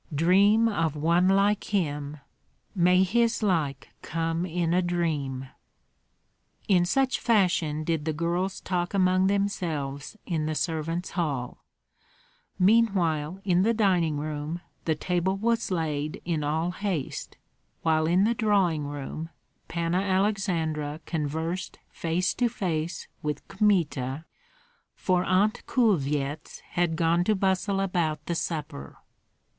"Dream of one like him!" "May his like come in a dream!" In such fashion did the girls talk among themselves in the servants' hall. Meanwhile in the dining room the table was laid in all haste, while in the drawing room Panna Aleksandra conversed face to face with Kmita, for Aunt Kulvyets had gone to bustle about the supper.